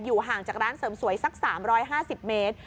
ห่างจากร้านเสริมสวยสัก๓๕๐เมตร